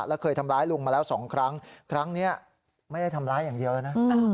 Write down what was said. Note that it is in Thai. แล้วเคยทำร้ายลุงมาแล้วสองครั้งครั้งนี้ไม่ได้ทำร้ายอย่างเดียวแล้วนะ